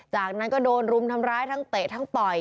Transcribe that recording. จากนั้นก็โดนรุมทำร้ายทั้งเตะทั้งต่อย